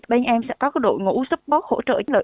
bên em sẽ có đội ngũ support hỗ trợ